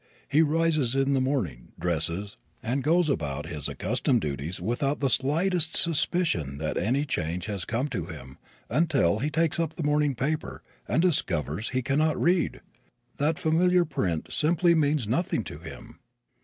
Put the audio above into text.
He rises in the morning, dresses, and goes about his accustomed duties without the slightest suspicion that any change has come to him until he takes up the morning paper and discovers that he can not read that the familiar print simply means nothing to him!